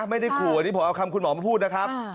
ไม่ได้ขู่อันนี้ผมเอาคำคุณหมอมาพูดนะครับ